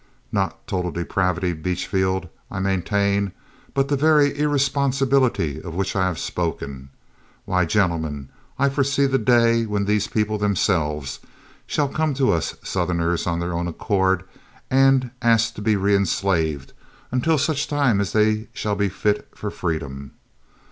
"Not total depravity, Beachfield, I maintain, but the very irresponsibility of which I have spoken. Why, gentlemen, I foresee the day when these people themselves shall come to us Southerners of their own accord and ask to be re enslaved until such time as they shall be fit for freedom."